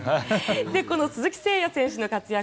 この鈴木誠也選手の活躍